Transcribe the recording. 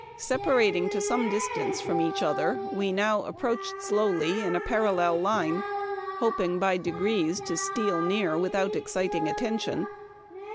Separating to some distance from each other, we now approached slowly in a parallel line, hoping by degrees to steal near without exciting attention.